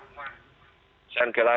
sen gelail kalau nggak salah